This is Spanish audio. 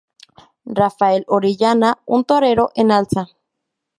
Rafael Orellana, un torero en alza